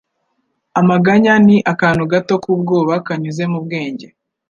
Amaganya ni akantu gato k'ubwoba kanyuze mu bwenge.